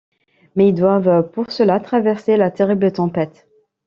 Mais ils doivent pour cela traverser la terrible tempête...